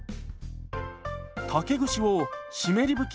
竹串を湿り拭き